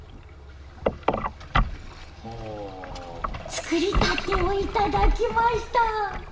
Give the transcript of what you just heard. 作りたてを頂きました。